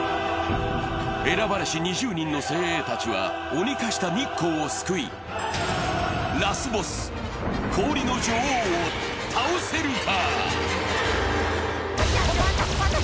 選ばれし２０人の精鋭たちは、鬼化した日光を救い、ラスボス、氷の女王を倒せるか？